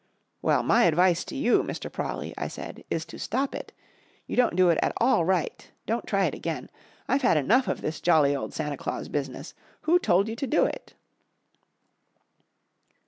"Well, my advice to you, Mr. Prawley," I said, "is to stop it. You don't do it at all right. Don't try it again. I've had enough of this jolly old Santa Claus business. Who told you to do it?"